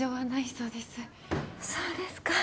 そうですか。